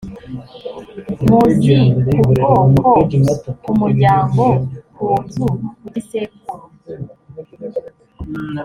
muzi ku bwoko ku muryango ku nzu ku gisekuru